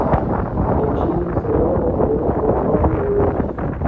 En Chile serán acompañados por Pablo Neruda.